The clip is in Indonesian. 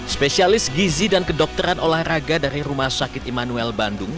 spesialis gizi dan kedokteran olahraga dari rumah sakit immanuel bandung